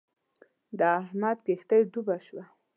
د احمد کښتی ډوبه شوه.